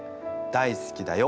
大好きだよ。